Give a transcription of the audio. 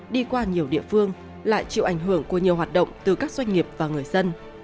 đi qua nhiều địa phương lại chịu ảnh hưởng của nhiều hoạt động từ các doanh nghiệp và người dân